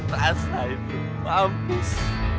rasa ini mampus